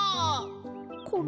コロ？